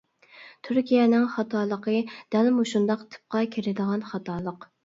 تۈركىيەنىڭ خاتالىقى دەل مۇشۇنداق تىپقا كىرىدىغان خاتالىق.